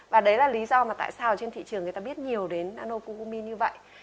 và đấy là lý do mà tại sao trên thị trường người ta biết nhiều đến nano cu cu min như vậy